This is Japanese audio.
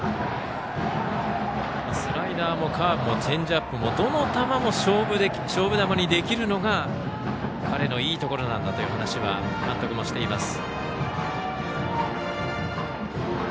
スライダーもカーブもチェンジアップもどの球も勝負球にできるのが彼のいいところなんだという話は監督もしています。